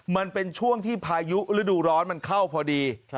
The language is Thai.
มันเป็นช่วงที่พายุฤดูร้อนมันเข้าพอดี